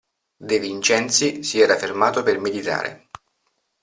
De Vincenzi si era fermato per meditare.